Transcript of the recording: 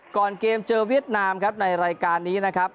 ก่อนเกมเจอเวียดนามครับในรายการนี้นะครับ